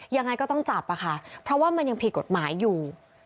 ยังไงก็ต้องจับอะค่ะเพราะว่ามันยังผิดกฎหมายอยู่